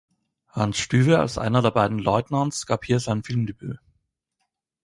Hans Stüwe als einer der beiden Leutnants gab hier sein Filmdebüt.